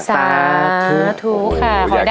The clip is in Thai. สาธุค่ะ